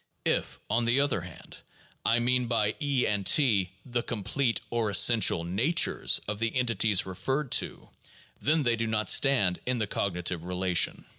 If, on the other hand, I mean by E and T the complete or essential natures of the entities referred to, then they do not stand in the cognitive relation.